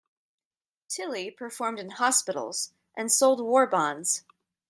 Tilley performed in hospitals and sold war bonds.